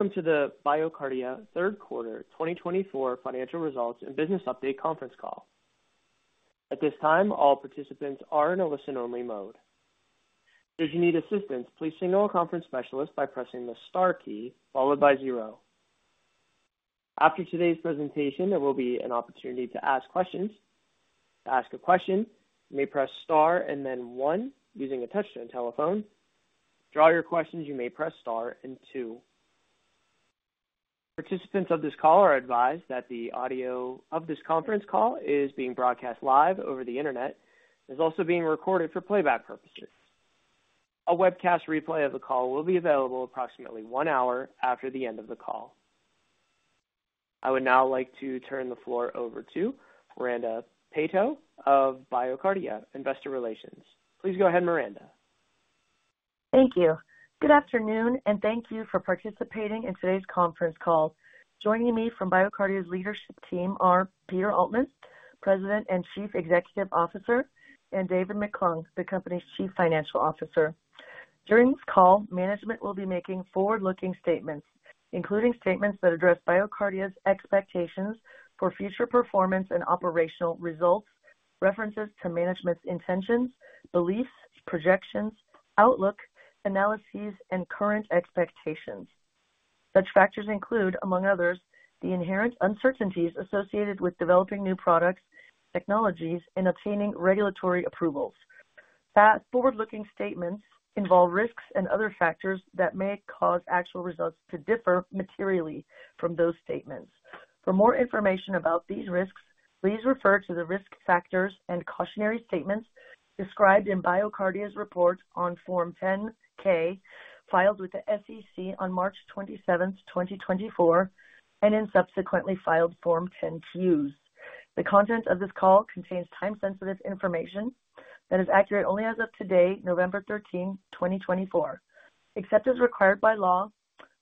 Welcome to the BioCardia third quarter 2024 financial results and business update conference call. At this time, all participants are in a listen-only mode. If you need assistance, please signal a conference specialist by pressing the star key followed by zero. After today's presentation, there will be an opportunity to ask questions. To ask a question, you may press star and then one using a touch-tone telephone. To withdraw your questions, you may press star and two. Participants of this call are advised that the audio of this conference call is being broadcast live over the internet. It is also being recorded for playback purposes. A webcast replay of the call will be available approximately one hour after the end of the call. I would now like to turn the floor over to Miranda Peto of BioCardia Investor Relations. Please go ahead, Miranda. Thank you. Good afternoon, and thank you for participating in today's conference call. Joining me from BioCardia's leadership team are Peter Altman, President and Chief Executive Officer, and David McClung, the company's Chief Financial Officer. During this call, management will be making forward-looking statements, including statements that address BioCardia's expectations for future performance and operational results, references to management's intentions, beliefs, projections, outlook, analyses, and current expectations. Such factors include, among others, the inherent uncertainties associated with developing new products, technologies, and obtaining regulatory approvals. All forward-looking statements involve risks and other factors that may cause actual results to differ materially from those statements. For more information about these risks, please refer to the risk factors and cautionary statements described in BioCardia's report on Form 10-K filed with the SEC on March 27, 2024, and in subsequently filed Form 10-Qs. The content of this call contains time-sensitive information that is accurate only as of today, November 13, 2024. Except as required by law,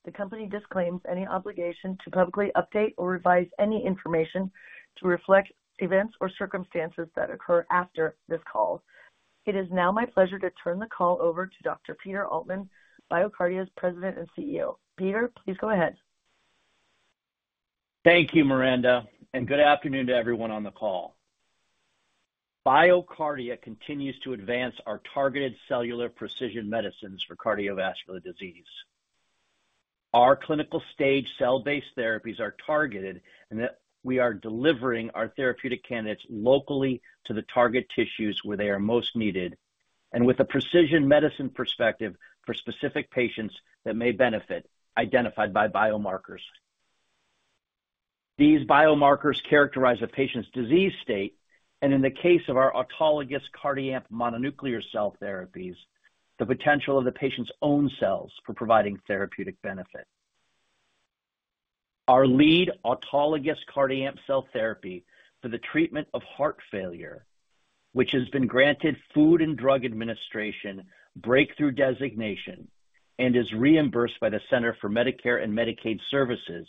the company disclaims any obligation to publicly update or revise any information to reflect events or circumstances that occur after this call. It is now my pleasure to turn the call over to Dr. Peter Altman, BioCardia's President and CEO. Peter, please go ahead. Thank you, Miranda, and good afternoon to everyone on the call. BioCardia continues to advance our targeted cellular precision medicines for cardiovascular disease. Our clinical stage cell-based therapies are targeted in that we are delivering our therapeutic candidates locally to the target tissues where they are most needed, and with a precision medicine perspective for specific patients that may benefit identified by biomarkers. These biomarkers characterize a patient's disease state, and in the case of our autologous CardiAmp mononuclear cell therapies, the potential of the patient's own cells for providing therapeutic benefit. Our lead autologous CardiAmp cell therapy for the treatment of heart failure, which has been granted Food and Drug Administration Breakthrough Therapy designation and is reimbursed by the Centers for Medicare and Medicaid Services,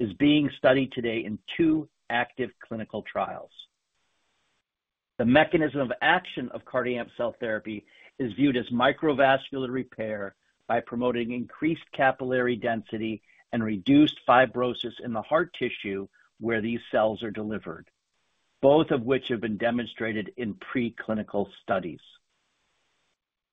is being studied today in two active clinical trials. The mechanism of action of CardiAmp cell therapy is viewed as microvascular repair by promoting increased capillary density and reduced fibrosis in the heart tissue where these cells are delivered, both of which have been demonstrated in preclinical studies.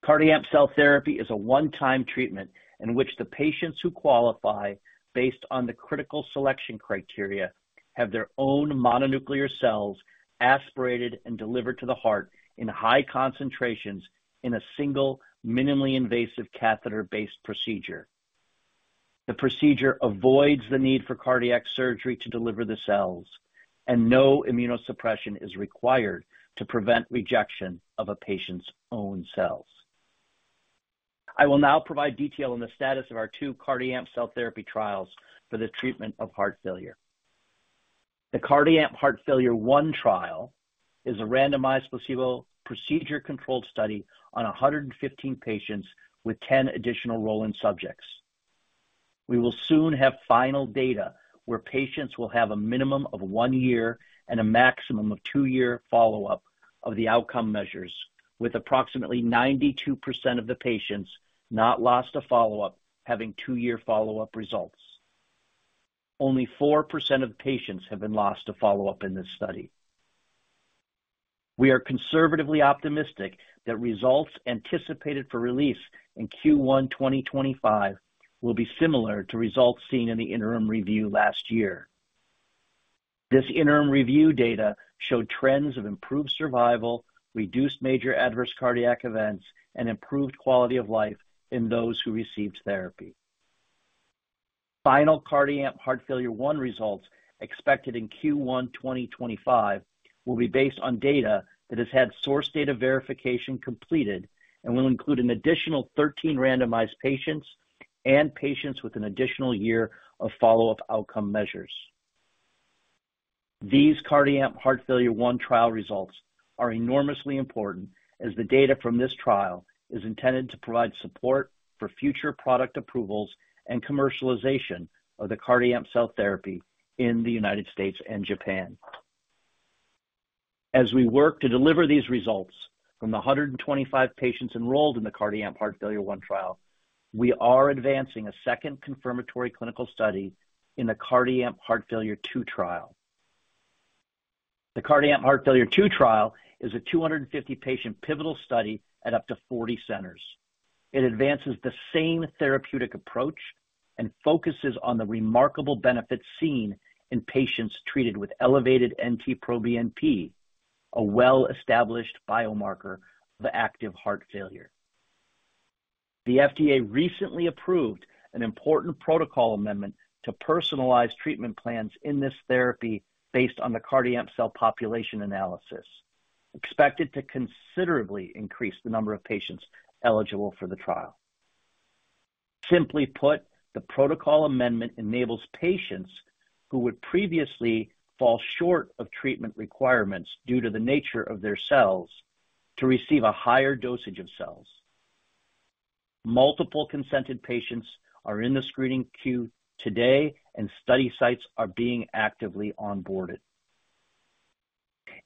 CardiAmp cell therapy is a one-time treatment in which the patients who qualify, based on the critical selection criteria, have their own mononuclear cells aspirated and delivered to the heart in high concentrations in a single minimally invasive catheter-based procedure. The procedure avoids the need for cardiac surgery to deliver the cells, and no immunosuppression is required to prevent rejection of a patient's own cells. I will now provide detail on the status of our two CardiAmp cell therapy trials for the treatment of heart failure. The CardiAmp Heart Failure I trial is a randomized placebo procedure-controlled study on 115 patients with 10 additional roll-in subjects. We will soon have final data where patients will have a minimum of one year and a maximum of two-year follow-up of the outcome measures, with approximately 92% of the patients not lost to follow-up having two-year follow-up results. Only 4% of patients have been lost to follow-up in this study. We are conservatively optimistic that results anticipated for release in Q1 2025 will be similar to results seen in the interim review last year. This interim review data showed trends of improved survival, reduced major adverse cardiac events, and improved quality of life in those who received therapy. Final CardiAmp Heart Failure I results expected in Q1 2025 will be based on data that has had source data verification completed and will include an additional 13 randomized patients and patients with an additional year of follow-up outcome measures. These CardiAmp Heart Failure I trial results are enormously important as the data from this trial is intended to provide support for future product approvals and commercialization of the CardiAmp cell therapy in the United States and Japan. As we work to deliver these results from the 125 patients enrolled in the CardiAmp Heart Failure I trial, we are advancing a second confirmatory clinical study in the CardiAmp Heart Failure II trial. The CardiAmp Heart Failure II trial is a 250-patient pivotal study at up to 40 centers. It advances the same therapeutic approach and focuses on the remarkable benefits seen in patients treated with elevated NT-proBNP, a well-established biomarker of active heart failure. The FDA recently approved an important protocol amendment to personalized treatment plans in this therapy based on the CardiAmp cell population analysis, expected to considerably increase the number of patients eligible for the trial. Simply put, the protocol amendment enables patients who would previously fall short of treatment requirements due to the nature of their cells to receive a higher dosage of cells. Multiple consented patients are in the screening queue today, and study sites are being actively onboarded.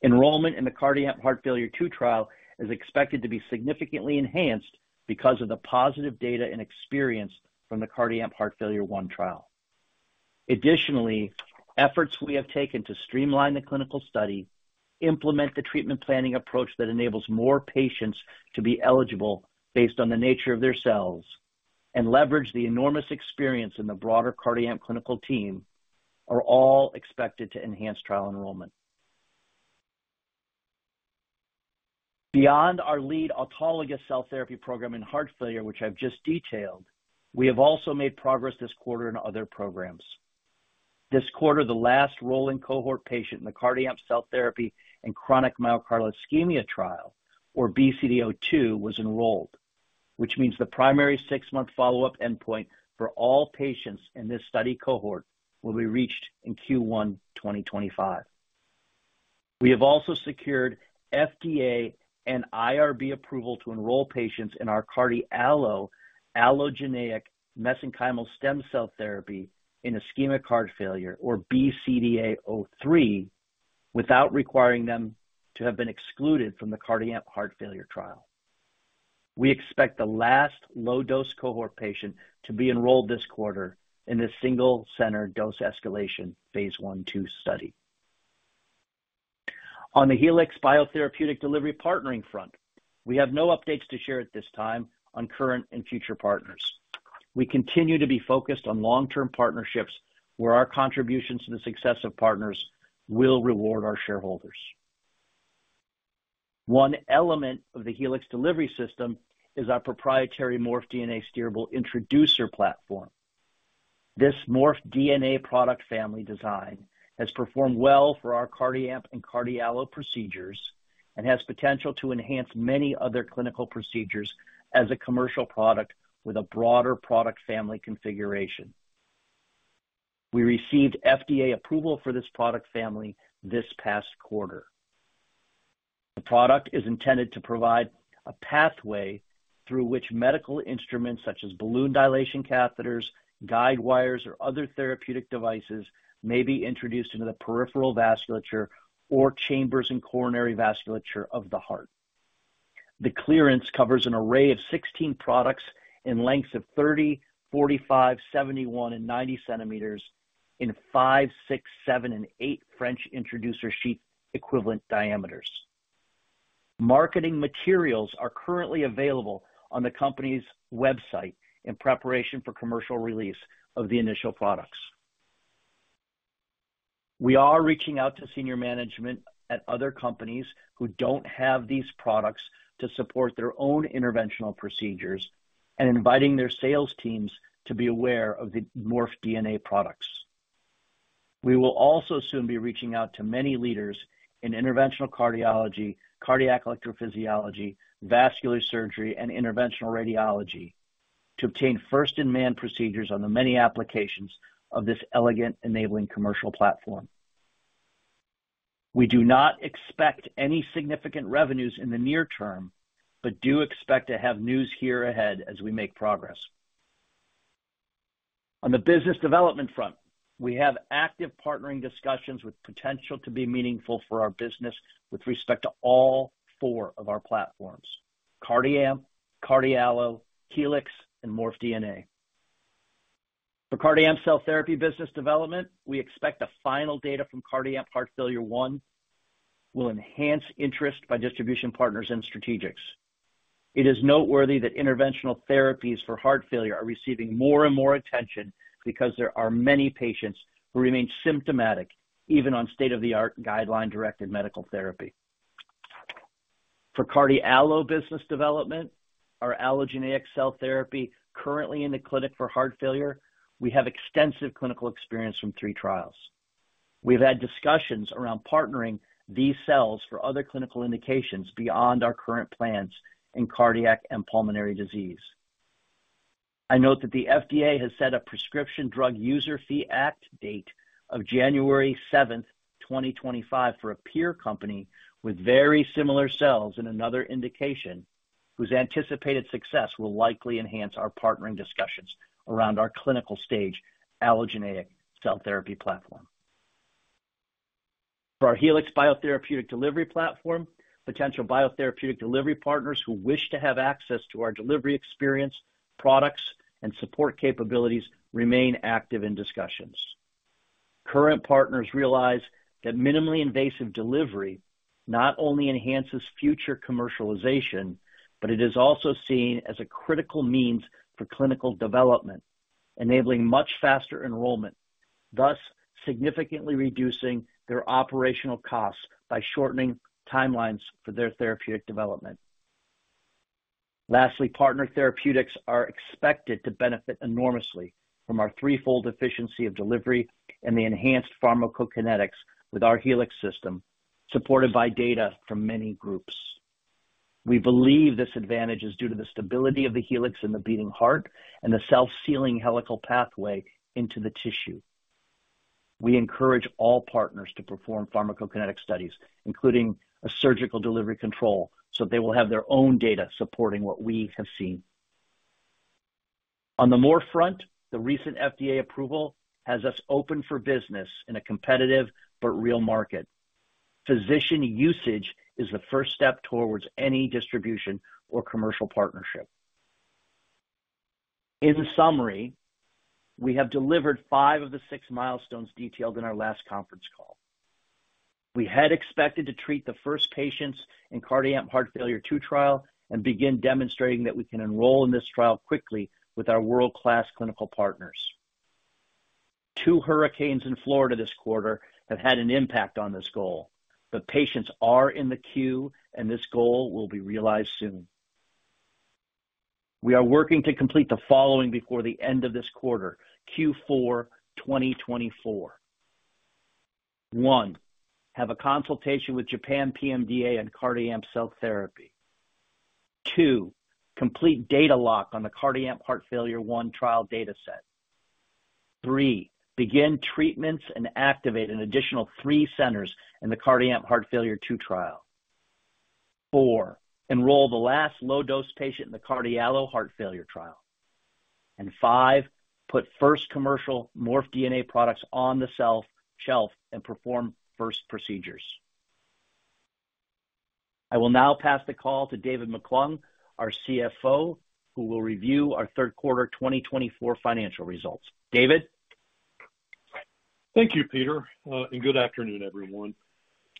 Enrollment in the CardiAmp Heart Failure II trial is expected to be significantly enhanced because of the positive data and experience from the CardiAmp Heart Failure I trial. Additionally, efforts we have taken to streamline the clinical study, implement the treatment planning approach that enables more patients to be eligible based on the nature of their cells, and leverage the enormous experience in the broader CardiAmp clinical team are all expected to enhance trial enrollment. Beyond our lead autologous cell therapy program in heart failure, which I've just detailed, we have also made progress this quarter in other programs. This quarter, the last roll-in cohort patient in the CardiAmp cell therapy and chronic myocardial ischemia trial, or BCD-02, was enrolled, which means the primary six-month follow-up endpoint for all patients in this study cohort will be reached in Q1 2025. We have also secured FDA and IRB approval to enroll patients in our CardiALLO allogeneic mesenchymal stem cell therapy in ischemic heart failure, or BCDA-03, without requiring them to have been excluded from the CardiAmp heart failure trial. We expect the last low-dose cohort patient to be enrolled this quarter in the single-center dose escalation Phase I/II study. On the Helix biotherapeutic delivery partnering front, we have no updates to share at this time on current and future partners. We continue to be focused on long-term partnerships where our contributions to the success of partners will reward our shareholders. One element of the Helix delivery system is our proprietary MorphDNA steerable introducer platform. This MorphDNA product family design has performed well for our CardiAmp and CardiALLO procedures and has potential to enhance many other clinical procedures as a commercial product with a broader product family configuration. We received FDA approval for this product family this past quarter. The product is intended to provide a pathway through which medical instruments such as balloon dilation catheters, guidewires, or other therapeutic devices may be introduced into the peripheral vasculature or chambers and coronary vasculature of the heart. The clearance covers an array of 16 products in lengths of 30cm, 45cm, 71cm, and 90cm in five, six, seven, and eight French introducer sheath equivalent diameters. Marketing materials are currently available on the company's website in preparation for commercial release of the initial products. We are reaching out to senior management at other companies who don't have these products to support their own interventional procedures and inviting their sales teams to be aware of the MorphDNA products. We will also soon be reaching out to many leaders in interventional cardiology, cardiac electrophysiology, vascular surgery, and interventional radiology to obtain first-in-man procedures on the many applications of this elegant enabling commercial platform. We do not expect any significant revenues in the near term, but do expect to have news here ahead as we make progress. On the business development front, we have active partnering discussions with potential to be meaningful for our business with respect to all four of our platforms: CardiAmp, CardiALLO, Helix, and MorphDNA. For CardiAmp cell therapy business development, we expect the final data from CardiAmp Heart Failure I will enhance interest by distribution partners and strategics. It is noteworthy that interventional therapies for heart failure are receiving more and more attention because there are many patients who remain symptomatic even on state-of-the-art guideline-directed medical therapy. For CardiALLO business development, our allogeneic cell therapy currently in the clinic for heart failure, we have extensive clinical experience from three trials. We've had discussions around partnering these cells for other clinical indications beyond our current plans in cardiac and pulmonary disease. I note that the FDA has set a Prescription Drug User Fee Act date of January 7, 2025, for a peer company with very similar cells in another indication whose anticipated success will likely enhance our partnering discussions around our clinical stage allogeneic cell therapy platform. For our Helix biotherapeutic delivery platform, potential biotherapeutic delivery partners who wish to have access to our delivery experience, products, and support capabilities remain active in discussions. Current partners realize that minimally invasive delivery not only enhances future commercialization, but it is also seen as a critical means for clinical development, enabling much faster enrollment, thus significantly reducing their operational costs by shortening timelines for their therapeutic development. Lastly, partner therapeutics are expected to benefit enormously from our threefold efficiency of delivery and the enhanced pharmacokinetics with our Helix system, supported by data from many groups. We believe this advantage is due to the stability of the Helix in the beating heart and the self-sealing helical pathway into the tissue. We encourage all partners to perform pharmacokinetic studies, including a surgical delivery control, so they will have their own data supporting what we have seen. On the Morph front, the recent FDA approval has us open for business in a competitive but real market. Physician usage is the first step towards any distribution or commercial partnership. In summary, we have delivered five of the six milestones detailed in our last conference call. We had expected to treat the first patients in CardiAmp Heart Failure II trial and begin demonstrating that we can enroll in this trial quickly with our world-class clinical partners. Two hurricanes in Florida this quarter have had an impact on this goal, but patients are in the queue, and this goal will be realized soon. We are working to complete the following before the end of this quarter, Q4 2024. One, have a consultation with Japan PMDA on CardiAmp cell therapy. Two, complete data lock on the CardiAmp Heart Failure I trial data set. Three, begin treatments and activate an additional three centers in the CardiAmp Heart Failure II trial. Four, enroll the last low-dose patient in the CardiALLO heart failure trial. And five, put first commercial Morph DNA products on the sales shelf and perform first procedures. I will now pass the call to David McClung, our CFO, who will review our third quarter 2024 financial results. David. Thank you, Peter, and good afternoon, everyone.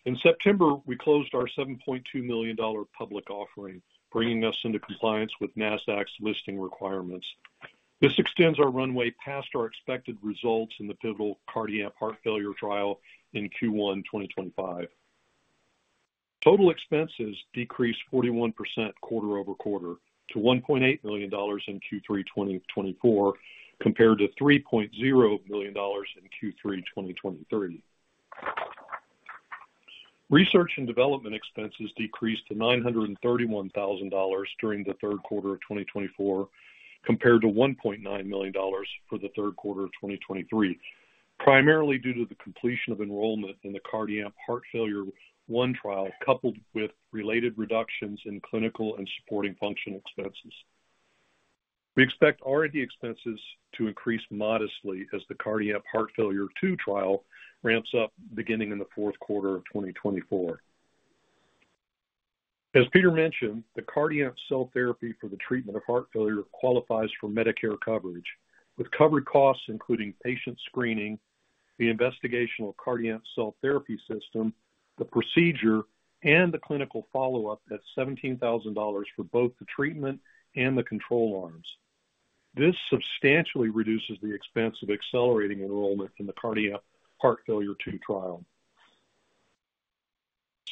In September, we closed our $7.2 million public offering, bringing us into compliance with Nasdaq's listing requirements. This extends our runway past our expected results in the pivotal CardiAmp heart failure trial in Q1 2025. Total expenses decreased 41% quarter over quarter to $1.8 million in Q3 2024 compared to $3.0 million in Q3 2023. Research and development expenses decreased to $931,000 during the third quarter of 2024 compared to $1.9 million for the third quarter of 2023, primarily due to the completion of enrollment in the CardiAmp Heart Failure I trial coupled with related reductions in clinical and supporting functional expenses. We expect R&D expenses to increase modestly as the CardiAmp Heart Failure II trial ramps up beginning in the fourth quarter of 2024. As Peter mentioned, the CardiAmp cell therapy for the treatment of heart failure qualifies for Medicare coverage, with covered costs including patient screening, the investigational CardiAmp cell therapy system, the procedure, and the clinical follow-up at $17,000 for both the treatment and the control arms. This substantially reduces the expense of accelerating enrollment in the CardiAmp Heart Failure II trial.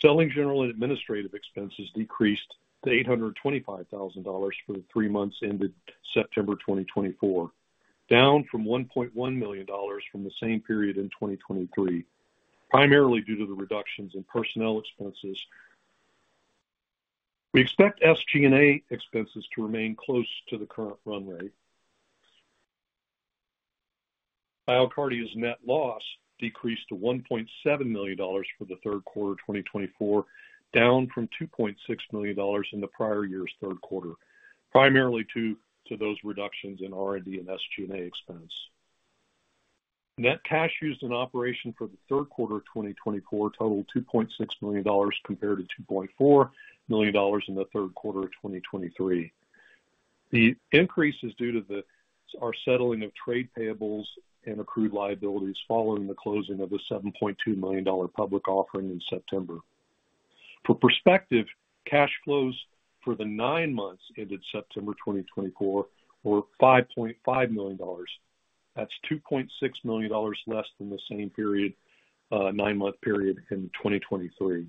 Selling, general, and administrative expenses decreased to $825,000 for the three months ended September 2024, down from $1.1 million from the same period in 2023, primarily due to the reductions in personnel expenses. We expect SG&A expenses to remain close to the current run rate. BioCardia's net loss decreased to $1.7 million for the third quarter 2024, down from $2.6 million in the prior year's third quarter, primarily due to those reductions in R&D and SG&A expense. Net cash used in operations for the third quarter of 2024 totaled $2.6 million compared to $2.4 million in the third quarter of 2023. The increase is due to the settling of trade payables and accrued liabilities following the closing of the $7.2 million public offering in September. For perspective, cash flows for the nine months ended September 2024 were $5.5 million. That's $2.6 million less than the same nine-month period in 2023.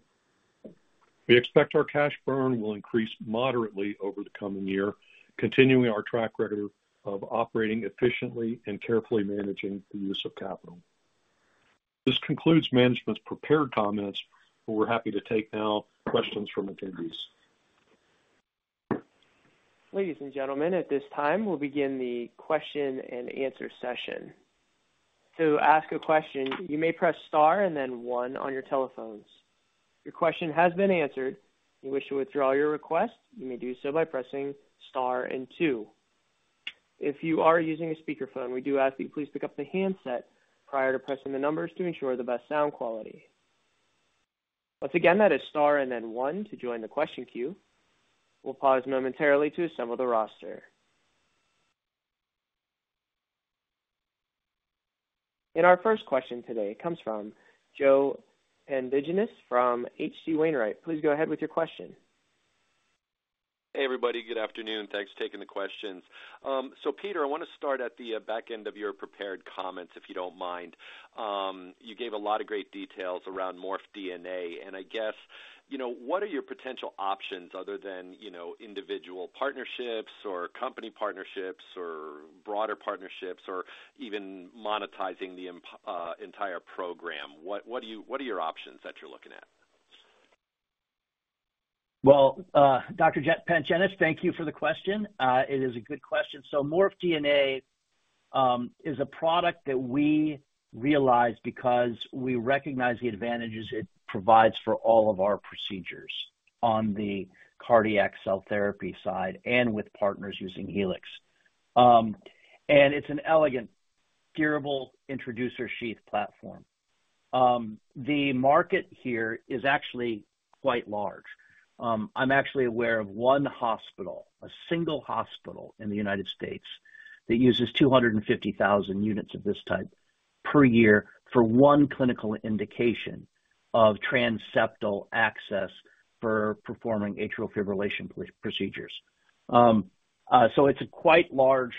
We expect our cash burn will increase moderately over the coming year, continuing our track record of operating efficiently and carefully managing the use of capital. This concludes management's prepared comments, but we're happy to take questions now from attendees. Ladies and gentlemen, at this time, we'll begin the question-and-answer session. To ask a question, you may press star and then one on your telephones. Your question has been answered. If you wish to withdraw your request, you may do so by pressing star and two. If you are using a speakerphone, we do ask that you please pick up the handset prior to pressing the numbers to ensure the best sound quality. Once again, that is star and then one to join the question queue. We'll pause momentarily to assemble the roster. And our first question today, it comes from Joe Pantginis from H.C. Wainwright. Please go ahead with your question. Hey, everybody. Good afternoon. Thanks for taking the questions. So, Peter, I want to start at the back end of your prepared comments, if you don't mind. You gave a lot of great details around MorphDNA. I guess, what are your potential options other than individual partnerships or company partnerships or broader partnerships or even monetizing the entire program? What are your options that you're looking at? Dr. Pantginis, thank you for the question. It is a good question. MorphDNA is a product that we realize because we recognize the advantages it provides for all of our procedures on the cardiac cell therapy side and with partners using Helix. It's an elegant, steerable introducer sheath platform. The market here is actually quite large. I'm actually aware of one hospital, a single hospital in the United States that uses 250,000 units of this type per year for one clinical indication of transseptal access for performing atrial fibrillation procedures. It's a quite large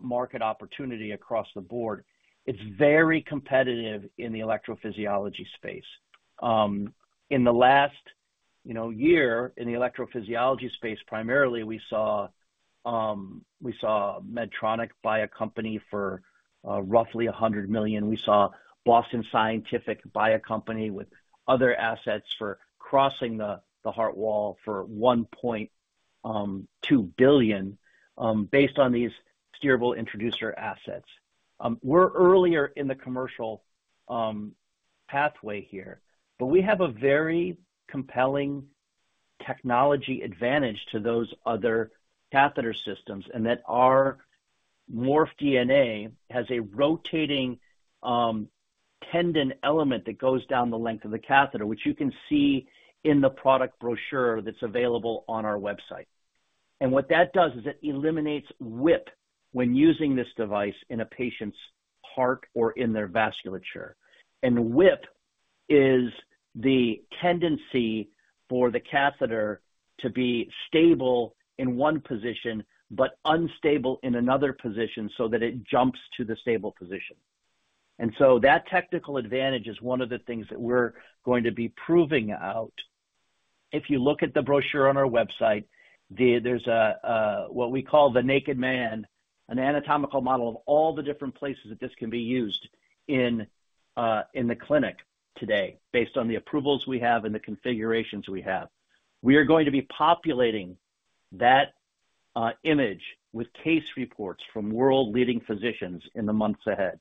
market opportunity across the board. It's very competitive in the electrophysiology space. In the last year in the electrophysiology space, primarily, we saw Medtronic buy a company for roughly $100 million. We saw Boston Scientific buy a company with other assets for crossing the heart wall for $1.2 billion based on these steerable introducer assets. We're earlier in the commercial pathway here, but we have a very compelling technology advantage to those other catheter systems in that our MorphDNA has a rotating tendon element that goes down the length of the catheter, which you can see in the product brochure that's available on our website. And what that does is it eliminates whip when using this device in a patient's heart or in their vasculature. And whip is the tendency for the catheter to be stable in one position but unstable in another position so that it jumps to the stable position. So that technical advantage is one of the things that we're going to be proving out. If you look at the brochure on our website, there's what we call the naked man, an anatomical model of all the different places that this can be used in the clinic today based on the approvals we have and the configurations we have. We are going to be populating that image with case reports from world-leading physicians in the months ahead.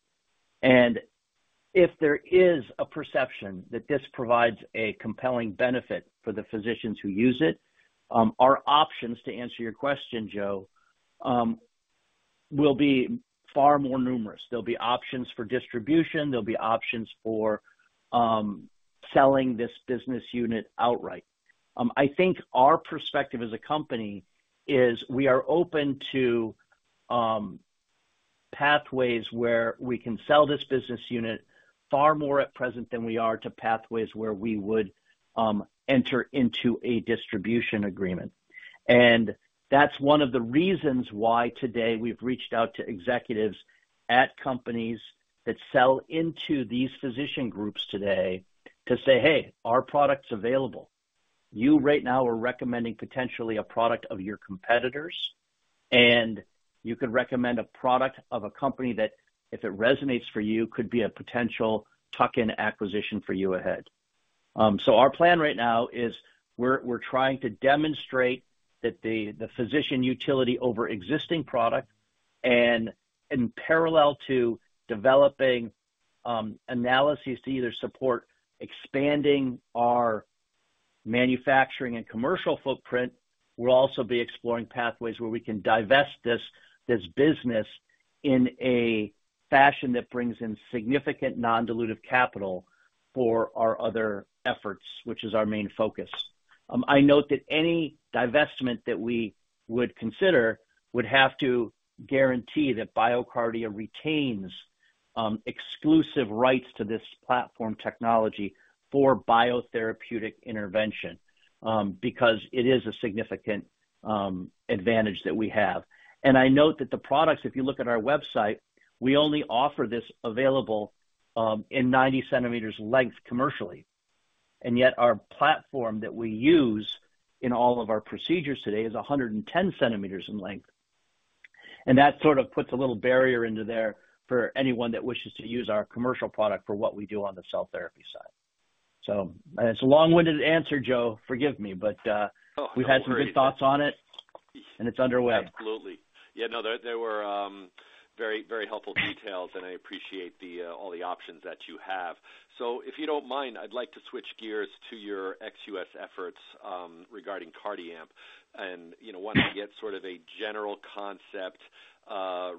If there is a perception that this provides a compelling benefit for the physicians who use it, our options to answer your question, Joe, will be far more numerous. There'll be options for distribution. There'll be options for selling this business unit outright. I think our perspective as a company is we are open to pathways where we can sell this business unit far more at present than we are to pathways where we would enter into a distribution agreement. And that's one of the reasons why today we've reached out to executives at companies that sell into these physician groups today to say, "Hey, our product's available. You right now are recommending potentially a product of your competitors, and you could recommend a product of a company that, if it resonates for you, could be a potential tuck-in acquisition for you ahead." So our plan right now is we're trying to demonstrate that the physician utility over existing product and in parallel to developing analyses to either support expanding our manufacturing and commercial footprint. We'll also be exploring pathways where we can divest this business in a fashion that brings in significant non-dilutive capital for our other efforts, which is our main focus. I note that any divestment that we would consider would have to guarantee that BioCardia retains exclusive rights to this platform technology for biotherapeutic intervention because it is a significant advantage that we have. I note that the products, if you look at our website, we only offer this available in 90cm length commercially. Yet our platform that we use in all of our procedures today is 110cm in length. That sort of puts a little barrier into there for anyone that wishes to use our commercial product for what we do on the cell therapy side. It's a long-winded answer, Joe. Forgive me, but we've had some good thoughts on it, and it's underway. Absolutely. Yeah. No, there were very, very helpful details, and I appreciate all the options that you have. If you don't mind, I'd like to switch gears to your ex-US efforts regarding CardiAmp and want to get sort of a general concept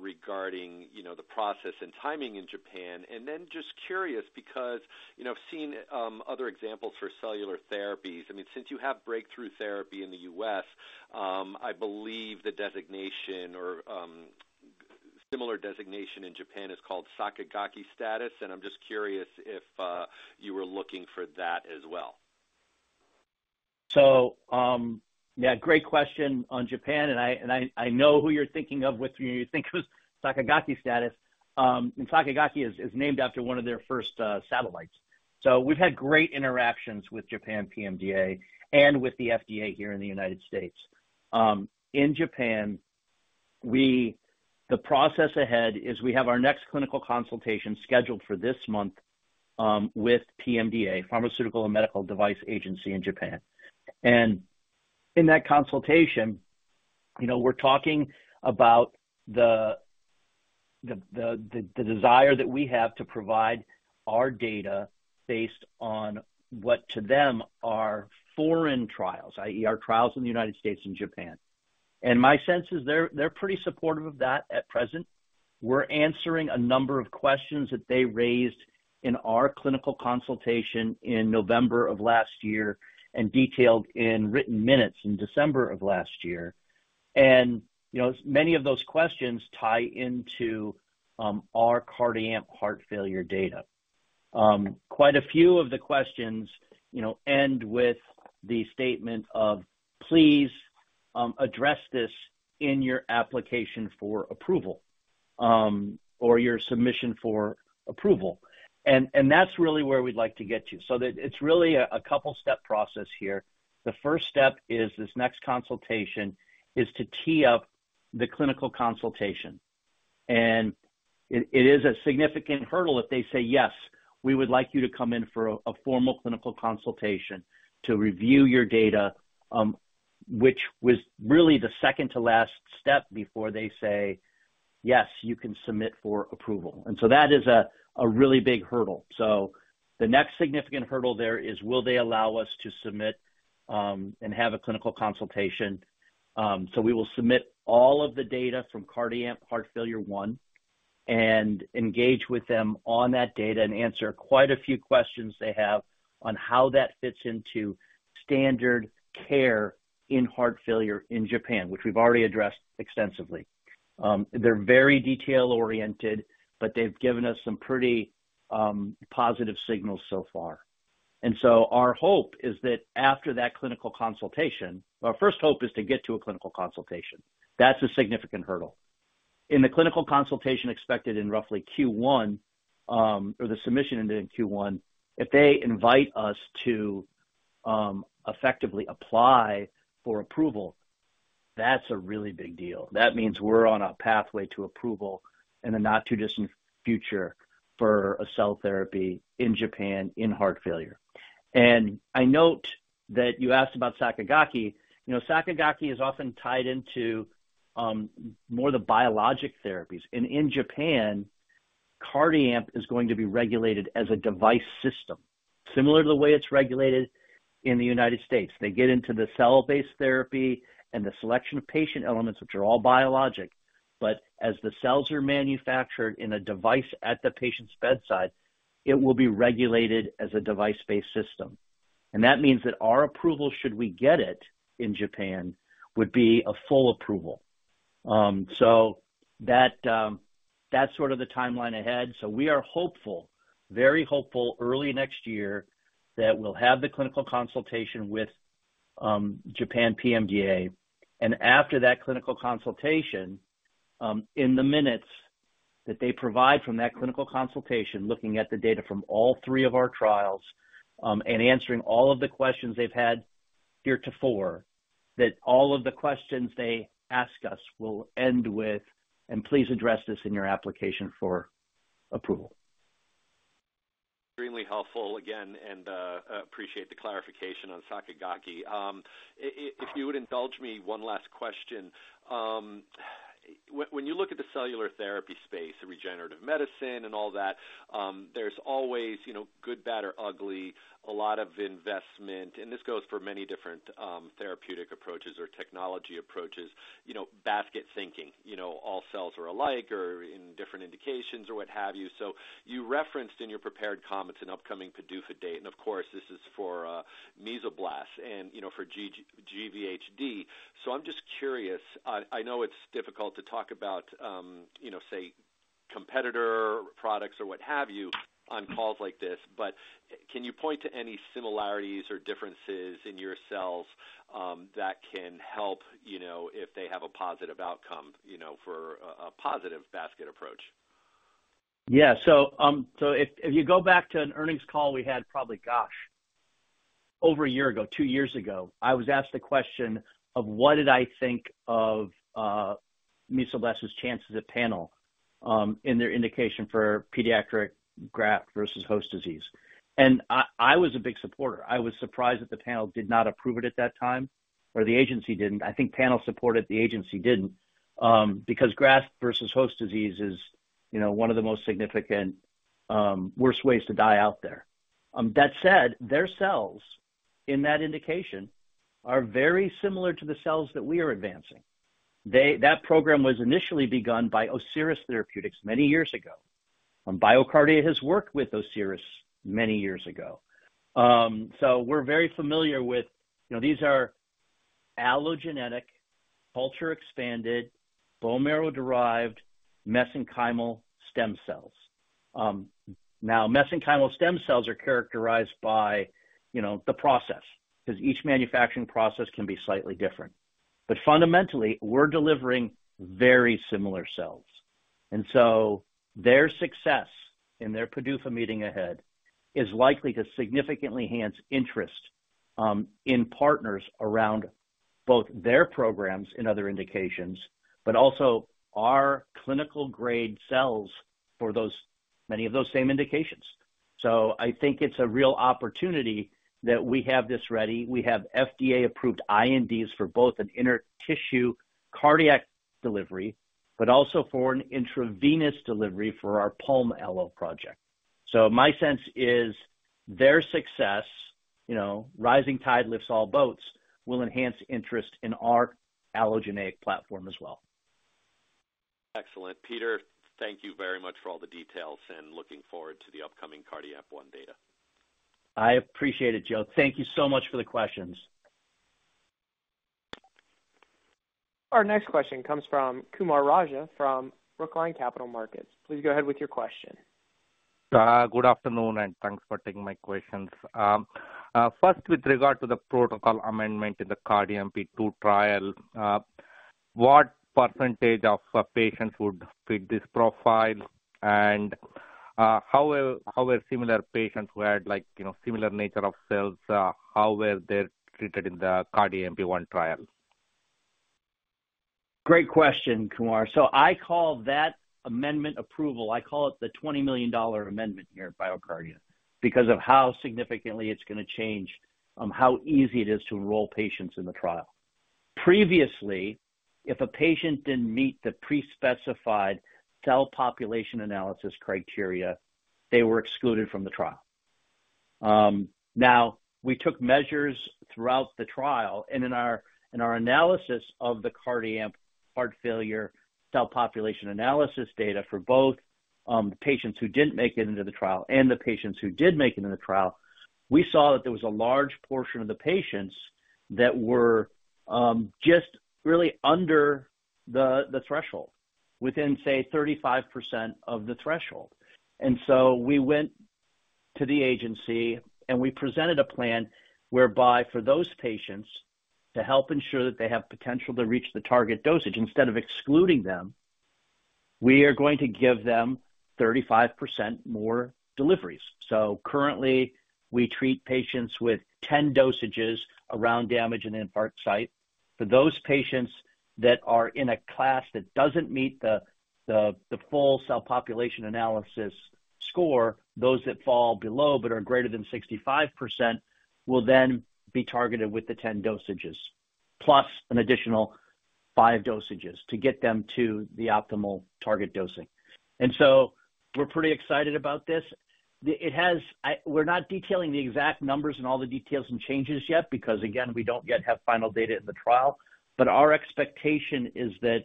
regarding the process and timing in Japan. Then just curious because I've seen other examples for cellular therapies. I mean, since you have breakthrough therapy in the U.S., I believe the designation or similar designation in Japan is called Sakigake status. And I'm just curious if you were looking for that as well. So yeah, great question on Japan. And I know who you're thinking of when you think of Sakigake status. And Sakigake is named after one of their first satellites. So we've had great interactions with Japan PMDA and with the FDA here in the United States. In Japan, the process ahead is we have our next clinical consultation scheduled for this month with PMDA, Pharmaceuticals and Medical Devices Agency in Japan. And in that consultation, we're talking about the desire that we have to provide our data based on what, to them, are foreign trials, i.e., our trials in the United States and Japan. And my sense is they're pretty supportive of that at present. We're answering a number of questions that they raised in our clinical consultation in November of last year and detailed in written minutes in December of last year, and many of those questions tie into our CardiAmp heart failure data. Quite a few of the questions end with the statement of, "Please address this in your application for approval or your submission for approval," and that's really where we'd like to get to, so it's really a couple-step process here. The first step is this next consultation to tee up the clinical consultation, and it is a significant hurdle if they say, "Yes, we would like you to come in for a formal clinical consultation to review your data," which was really the second-to-last step before they say, "Yes, you can submit for approval," and so that is a really big hurdle. So the next significant hurdle there is, will they allow us to submit and have a clinical consultation? So we will submit all of the data from CardiAmp Heart Failure I and engage with them on that data and answer quite a few questions they have on how that fits into standard care in heart failure in Japan, which we've already addressed extensively. They're very detail-oriented, but they've given us some pretty positive signals so far. And so our hope is that after that clinical consultation. Our first hope is to get to a clinical consultation. That's a significant hurdle. In the clinical consultation expected in roughly Q1 or the submission ended in Q1, if they invite us to effectively apply for approval, that's a really big deal. That means we're on a pathway to approval in the not-too-distant future for a cell therapy in Japan in heart failure. I note that you asked about Sakigake. Sakigake is often tied into more of the biologic therapies. In Japan, CardiAmp is going to be regulated as a device system, similar to the way it's regulated in the United States. They get into the cell-based therapy and the selection of patient elements, which are all biologic. But as the cells are manufactured in a device at the patient's bedside, it will be regulated as a device-based system. That means that our approval, should we get it in Japan, would be a full approval. That's sort of the timeline ahead. We are hopeful, very hopeful, early next year that we'll have the clinical consultation with Japan PMDA. After that clinical consultation, in the minutes that they provide from that clinical consultation, looking at the data from all three of our trials and answering all of the questions they've had heretofore, that all of the questions they ask us will end with, "And please address this in your application for approval." Extremely helpful again, and I appreciate the clarification on Sakigake. If you would indulge me one last question. When you look at the cellular therapy space, regenerative medicine and all that, there's always good, bad, or ugly, a lot of investment. And this goes for many different therapeutic approaches or technology approaches, basket thinking, all cells are alike or in different indications or what have you. So you referenced in your prepared comments an upcoming PDUFA date. And of course, this is for Mesoblast and for GVHD. So I'm just curious. I know it's difficult to talk about, say, competitor products or what have you on calls like this, but can you point to any similarities or differences in your cells that can help if they have a positive outcome for a positive basket approach? Yeah. So if you go back to an earnings call we had probably, gosh, over a year ago, two years ago, I was asked the question of what did I think of Mesoblast's chances at panel in their indication for pediatric graft-versus-host disease. And I was a big supporter. I was surprised that the panel did not approve it at that time or the agency didn't. I think panel supported the agency didn't because graft-versus-host disease is one of the most significant, worst ways to die out there. That said, their cells in that indication are very similar to the cells that we are advancing. That program was initially begun by Osiris Therapeutics many years ago. BioCardia has worked with Osiris many years ago. So we're very familiar with these are allogeneic, culture-expanded, bone marrow-derived mesenchymal stem cells. Now, mesenchymal stem cells are characterized by the process because each manufacturing process can be slightly different. But fundamentally, we're delivering very similar cells. And so their success in their PDUFA meeting ahead is likely to significantly enhance interest in partners around both their programs in other indications, but also our clinical-grade cells for many of those same indications. So I think it's a real opportunity that we have this ready. We have FDA-approved INDs for both an intramyocardial cardiac delivery, but also for an intravenous delivery for our CardiALLO project. So my sense is their success, rising tide lifts all boats, will enhance interest in our allogeneic platform as well. Excellent. Peter, thank you very much for all the details and looking forward to the upcoming CardiAmp I data. I appreciate it, Joe. Thank you so much for the questions. Our next question comes from Kumar Raja from Brookline Capital Markets. Please go ahead with your question. Good afternoon and thanks for taking my questions. First, with regard to the protocol amendment in the CardiAmp II trial, what percentage of patients would fit this profile? And how were similar patients who had similar nature of cells, how were they treated in the CardiAmp one trial? Great question, Kumar. I call that amendment approval. I call it the $20 million amendment here at BioCardia because of how significantly it's going to change how easy it is to enroll patients in the trial. Previously, if a patient didn't meet the pre-specified cell population analysis criteria, they were excluded from the trial. Now, we took measures throughout the trial. In our analysis of the CardiAmp heart failure cell population analysis data for both the patients who didn't make it into the trial and the patients who did make it into the trial, we saw that there was a large portion of the patients that were just really under the threshold, within, say, 35% of the threshold. And so we went to the agency and we presented a plan whereby for those patients, to help ensure that they have potential to reach the target dosage, instead of excluding them, we are going to give them 35% more deliveries. So currently, we treat patients with 10 dosages around damage in the infarct site. For those patients that are in a class that doesn't meet the full cell population analysis score, those that fall below but are greater than 65% will then be targeted with the 10 dosages, plus an additional five dosages to get them to the optimal target dosing. And so we're pretty excited about this. We're not detailing the exact numbers and all the details and changes yet because, again, we don't yet have final data in the trial. But our expectation is that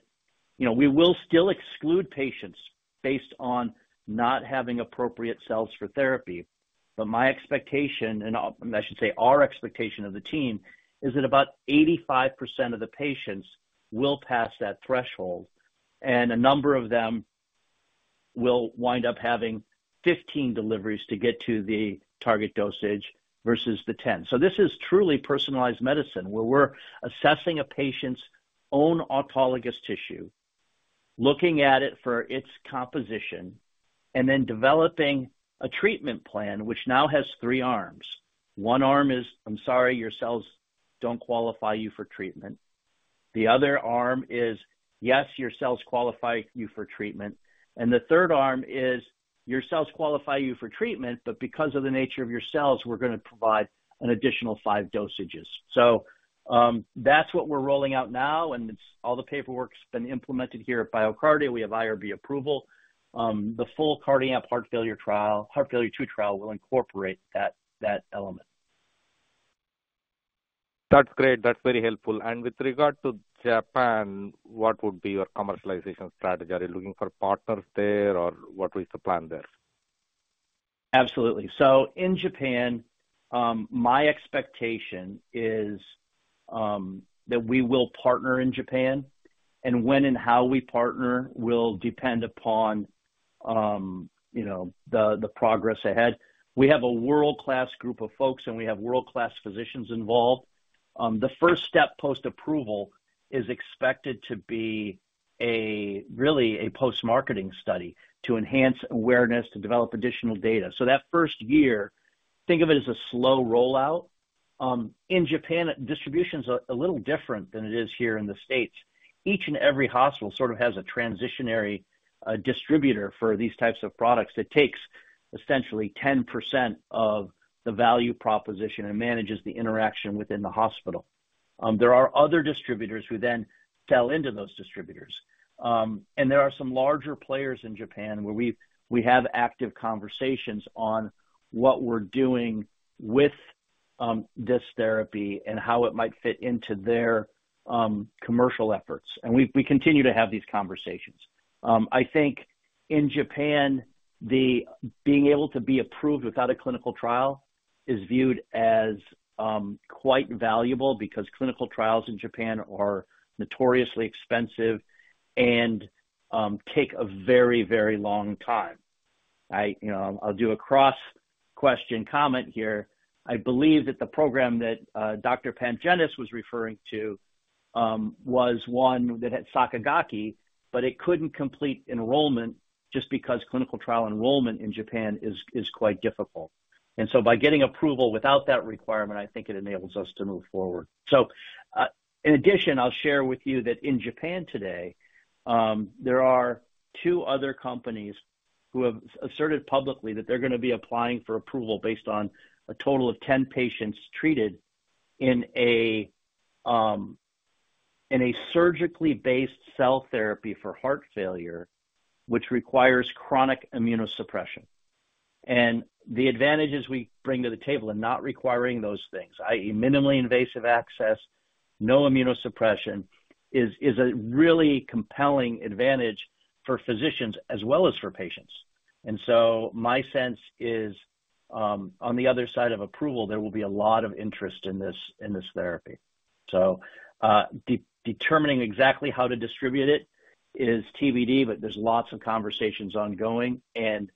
we will still exclude patients based on not having appropriate cells for therapy. But my expectation, and I should say our expectation of the team, is that about 85% of the patients will pass that threshold. And a number of them will wind up having 15 deliveries to get to the target dosage versus the 10. So this is truly personalized medicine where we're assessing a patient's own autologous tissue, looking at it for its composition, and then developing a treatment plan, which now has three arms. One arm is, "I'm sorry, your cells don't qualify you for treatment." The other arm is, "Yes, your cells qualify you for treatment." And the third arm is, "Your cells qualify you for treatment, but because of the nature of your cells, we're going to provide an additional five dosages." So that's what we're rolling out now. All the paperwork's been implemented here at BioCardia. We have IRB approval. The full CardiAmp Heart Failure II trial will incorporate that element. That's great. That's very helpful. With regard to Japan, what would be your commercialization strategy? Are you looking for partners there or what is the plan there? Absolutely. In Japan, my expectation is that we will partner in Japan. When and how we partner will depend upon the progress ahead. We have a world-class group of folks, and we have world-class physicians involved. The first step post-approval is expected to be really a post-marketing study to enhance awareness, to develop additional data. That first year, think of it as a slow rollout. In Japan, distribution's a little different than it is here in the States. Each and every hospital sort of has a transitional distributor for these types of products that takes essentially 10% of the value proposition and manages the interaction within the hospital. There are other distributors who then sell into those distributors. And there are some larger players in Japan where we have active conversations on what we're doing with this therapy and how it might fit into their commercial efforts. And we continue to have these conversations. I think in Japan, being able to be approved without a clinical trial is viewed as quite valuable because clinical trials in Japan are notoriously expensive and take a very, very long time. I'll do a cross-question comment here. I believe that the program that Dr. Pantginis was referring to was one that had Sakigake, but it couldn't complete enrollment just because clinical trial enrollment in Japan is quite difficult. And so by getting approval without that requirement, I think it enables us to move forward. So in addition, I'll share with you that in Japan today, there are two other companies who have asserted publicly that they're going to be applying for approval based on a total of 10 patients treated in a surgically-based cell therapy for heart failure, which requires chronic immunosuppression. And the advantages we bring to the table in not requiring those things, i.e., minimally invasive access, no immunosuppression, is a really compelling advantage for physicians as well as for patients. And so my sense is on the other side of approval, there will be a lot of interest in this therapy. So determining exactly how to distribute it is TBD, but there's lots of conversations ongoing. And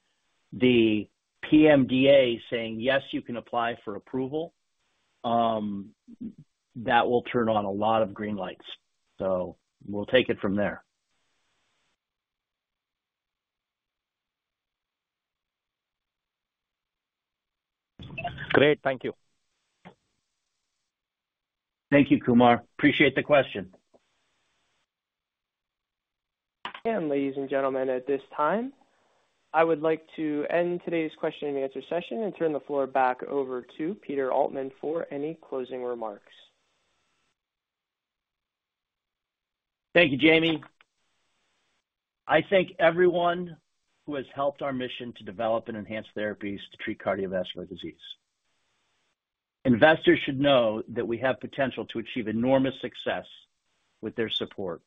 the PMDA saying, "Yes, you can apply for approval," that will turn on a lot of green lights. So we'll take it from there. Great. Thank you. Thank you, Kumar. Appreciate the question. And ladies and gentlemen, at this time, I would like to end today's question-and-answer session and turn the floor back over to Peter Altman for any closing remarks. Thank you, Jamie. I thank everyone who has helped our mission to develop and enhance therapies to treat cardiovascular disease. Investors should know that we have potential to achieve enormous success with their support.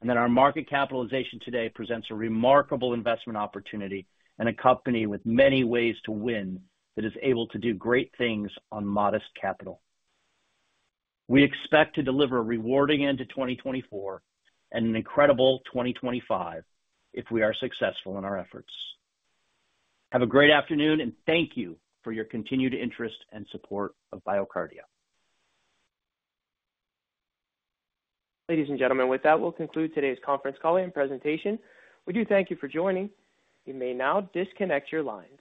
And that our market capitalization today presents a remarkable investment opportunity and a company with many ways to win that is able to do great things on modest capital. We expect to deliver a rewarding end to 2024 and an incredible 2025 if we are successful in our efforts. Have a great afternoon and thank you for your continued interest and support of BioCardia. Ladies and gentlemen, with that, we'll conclude today's conference call and presentation. We do thank you for joining. You may now disconnect your lines.